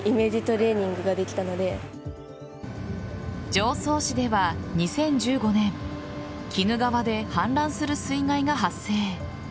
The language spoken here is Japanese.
常総市では２０１５年鬼怒川で氾濫する水害が発生。